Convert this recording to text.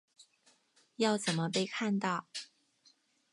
要怎么被看到